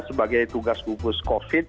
sebagai tugas gugus covid